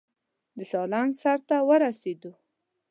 د سالنګ سر ته ورسېدو.